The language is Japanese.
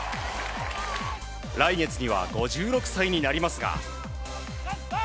来月には５６歳になりますが。